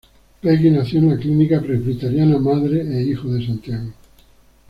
Peggy nació en la Clínica Presbiteriana Madre e Hijo de Santiago.